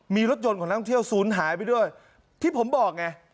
มีรถยนต์ของนักท่องเที่ยวศูนย์หายไปด้วยที่ผมบอกไง